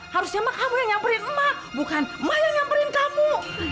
harusnya emak kamu yang nyamperin emak bukan emak yang nyamperin kamu